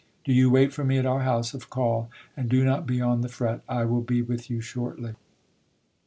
Do you wait for me at our house of call, and do not be on the fret : I will be with you shortly.